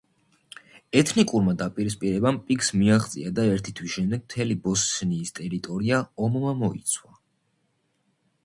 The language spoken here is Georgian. ეთნიკურმა დაპირისპირებამ პიკს მიაღწია და ერთი თვის შემდეგ მთელი ბოსნიის ტერიტორია ომმა მოიცვა.